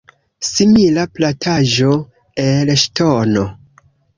Simila plataĵo el ŝtono.